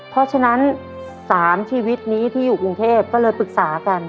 เพราะฉะนั้น๓ชีวิตนี้ที่อยู่กรุงเทพก็เลยปรึกษากัน